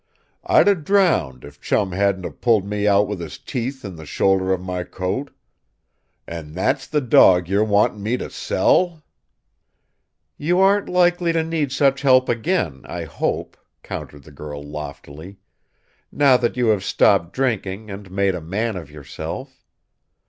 I'd 'a' drowned if Chum hadn't of pulled me out with his teeth in the shoulder of my coat. And that's the dog you're wanting me to sell?" "You aren't likely to need such help again, I hope," countered the girl loftily, "now that you have stopped drinking and made a man of yourself.